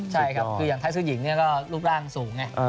ใช่ครับคืออย่างท้ายผู้หญิงเนี่ยก็รูปร่างสูงไง